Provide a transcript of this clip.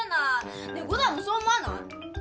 ねえ伍代もそう思わない？